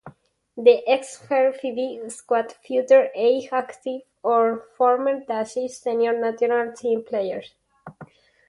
The Esbjerg fB squad featured eight active or former Danish senior national team players.